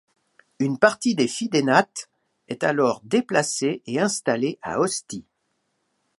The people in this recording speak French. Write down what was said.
Une partie des Fidénates est alors déplacée et installée à Ostie.